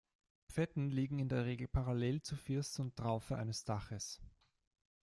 Pfetten liegen in der Regel parallel zu First und Traufe eines Daches.